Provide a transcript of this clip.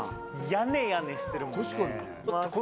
屋根屋根してるもんね。